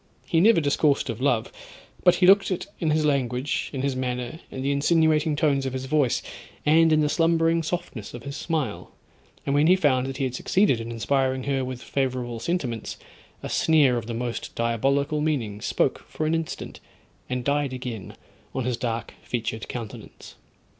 He never discoursed of love, but he looked it in his language, in his manner, in the insinuating tones of his voice, and in the slumbering softness of his smile, and when he found that he had succeeded in inspiring her with favourable sentiments, a sneer of the most diabolical meaning spoke for an instant, and died again on his dark featured countenance.